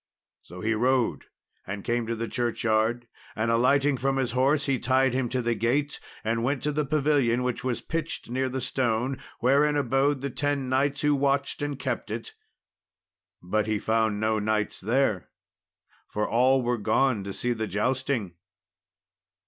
So he rode and came to the churchyard, and alighting from his horse he tied him to the gate, and went to the pavilion, which was pitched near the stone, wherein abode the ten knights who watched and kept it; but he found no knights there, for all were gone to see the jousting.